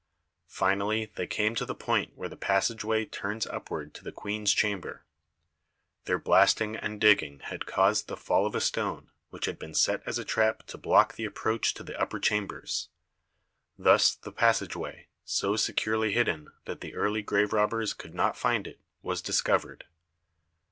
Finally they came to the point where the passage way turns upward to the queen's chamber. Their blasting and digging had caused the fall of a stone which had been set as a trap to block the approach to the upper chambers. Thus the passageway, so securely hidden that the early grave robbers could not find it, was discovered.